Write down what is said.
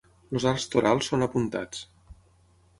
Els arcs torals són apuntats.